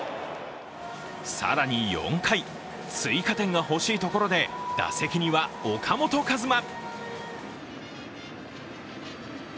更に４回、追加点が欲しいところで打席には岡本和真。